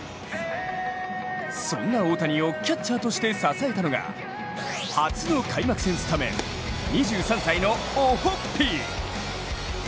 そんな大谷をキャッチャーとして支えたのが初の開幕戦スタメン、２３歳のオホッピー。